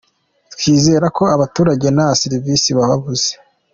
Twizera ko abaturage nta serivisi babuze.